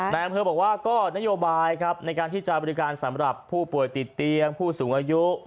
นายอำเภอบอกว่าก็นโยบายครับในการที่จะบริการสำหรับผู้ป่วยติดเตียงผู้สูงอายุ